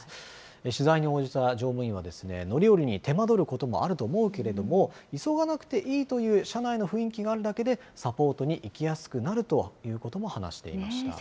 取材に応じた乗務員は、乗り降りに手間取ることもあると思うけれど、急がなくていいという車内の雰囲気があるだけで、サポートに行きやすくなるということも話していました。